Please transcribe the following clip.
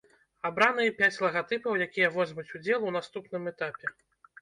Абраныя пяць лагатыпаў, якія возьмуць удзел у наступным этапе.